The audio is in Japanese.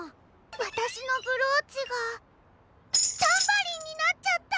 わたしのブローチがタンバリンになっちゃった！